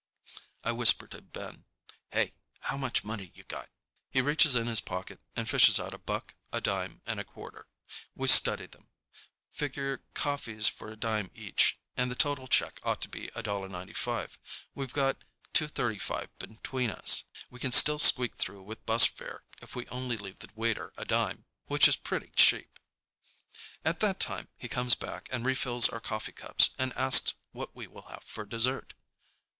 I whisper to Ben, "Hey, how much money you got?" He reaches in his pocket and fishes out a buck, a dime, and a quarter. We study them. Figure coffees for a dime each, and the total check ought to be $1.95. We've got $2.35 between us. We can still squeak through with bus fare if we only leave the waiter a dime, which is pretty cheap. At that moment he comes back and refills our coffee cups and asks what we will have for dessert.